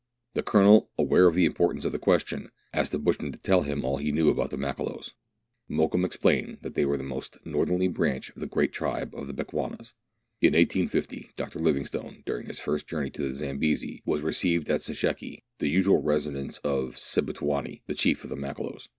The Colonel, aware of the importance of the question, asked the bushman to tell him all he knew about the Makololos. Mokoum explained that they were the most northerly branch ot the great tribe of the Bechuanas. In 1850 Dr. Livingstone, during his first journey to the Zambesi, was received at Sesheki, the usual residence of Sebitouani, the chief of the Makololos.